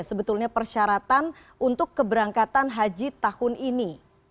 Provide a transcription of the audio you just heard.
sebetulnya persyaratan untuk keberangkatan haji tahun ini